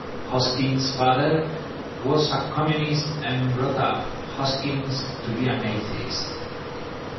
Hoskins' father was a communist and brought up Hoskins to be an atheist.